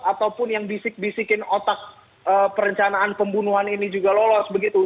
ataupun yang bisik bisikin otak perencanaan pembunuhan ini juga lolos begitu